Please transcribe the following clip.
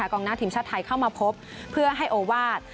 กองหน้าทีมชาติไทยเข้ามาพบเพื่อให้โอวาส